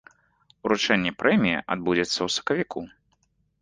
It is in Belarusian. Уручэнне прэміі адбудзецца ў сакавіку.